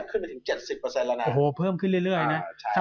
ขึ้นไปถึงเจ็ดสิบเปอร์เซ็นต์แล้วนะโอ้โหเพิ่มขึ้นเรื่อยเรื่อยนะใช่